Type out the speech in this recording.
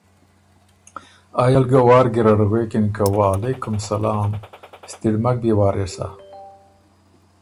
ائ ال ګه وارګیرډ غوېکِن که وعلیکم السلام! ستِړ مک بيې وارثا